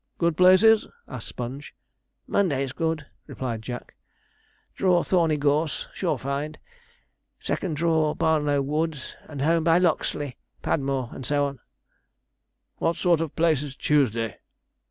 'Good places?' asked Sponge. 'Monday's good,' replied Jack; 'draw Thorney Gorse sure find; second draw, Barnlow Woods, and home by Loxley, Padmore, and so on.' 'What sort of a place is Tuesday?'